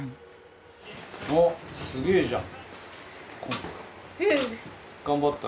お、すげえじゃん。